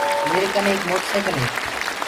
ميري ڪني ايڪ موٽر سيڪل هي۔